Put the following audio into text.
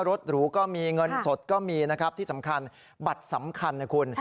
หรูก็มีเงินสดก็มีนะครับที่สำคัญบัตรสำคัญนะคุณ